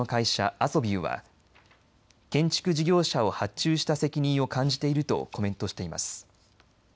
アソビューは建築事業者を発注した責任を感じているとコメントしています。